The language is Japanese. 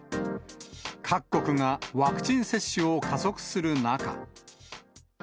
各国がワクチン接種を加速する中。